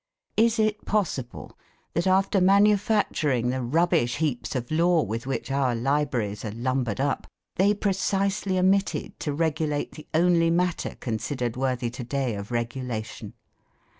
Is it possible that after manufacturing the rubbish heaps of law with which our libraries are lumbered up, they precisely omitted to regulate the only matter considered worthy to day of regulation?